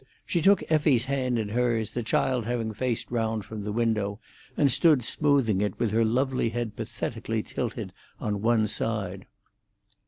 She took Effie's hand in hers, the child having faced round from the window, and stood smoothing it, with her lovely head pathetically tilted on one side.